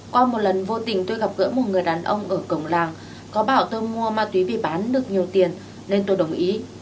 qua một lần vô tình tôi gặp gỡ một người đàn ông ở cổng làng có bảo tôi mua ma túy vì bán được nhiều tiền nên tôi đồng ý